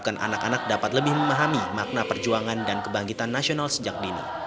dan anak anak dapat lebih memahami makna perjuangan dan kebangkitan nasional sejak dini